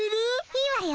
いいわよ。